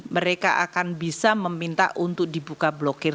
mereka akan bisa meminta untuk dibuka blokir